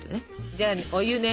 じゃあお湯ね。